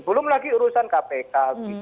belum lagi urusan kpk